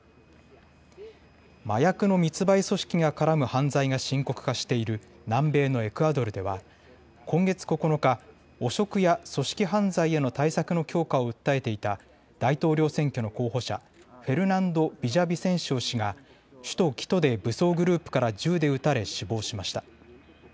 麻薬の密売組織が絡む犯罪が深刻化している南米のエクアドルでは今月９日、汚職や組織犯罪への対策の強化を訴えていた大統領選挙の候補者、フェルナンド・ビジャビセンシオ氏が首都キトで武装グループから銃で撃たれ死亡しました。